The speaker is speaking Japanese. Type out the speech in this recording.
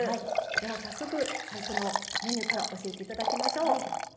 では早速最初のメニューから教えて頂きましょう。